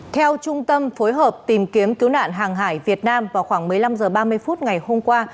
theo trung tâm phối hợp tìm kiếm cứu nạn hàng hải việt nam vào khoảng một mươi năm h ba mươi phút ngày hôm qua